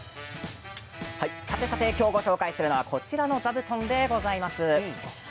今日ご紹介するのはこちらの座布団でございます。